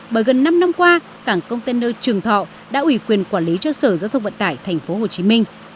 bởi gần năm năm qua cảng container trường thọ đã ủy quyền quản lý cho sở giao thông vận tải tp hcm